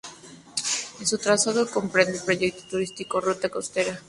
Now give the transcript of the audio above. En su trazado comprende el proyecto turístico "Ruta Costera".